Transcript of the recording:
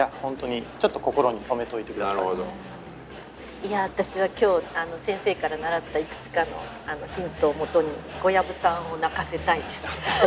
いや私は今日先生から習ったいくつかのヒントをもとに小籔さんを泣かせたいです。